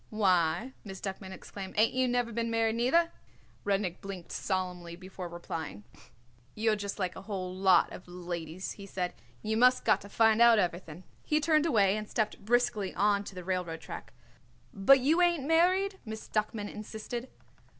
"Why," Miss Duckman exclaimed, "ain't you never been married, neither?" Rudnik blinked solemnly before replying. "You're just like a whole lot of ladies," he said; "you must got to find out everything." He turned away and stepped briskly on to the railroad track. "But ain't you married?" Miss Duckman insisted.